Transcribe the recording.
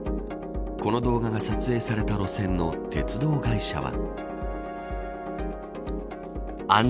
この動画が撮影された路線の鉄道会社は。